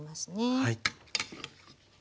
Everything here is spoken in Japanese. はい。